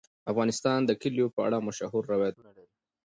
افغانستان د کلیو په اړه مشهور روایتونه لري.